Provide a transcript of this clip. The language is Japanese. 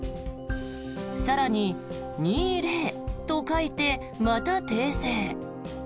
更に２０と書いて、また訂正。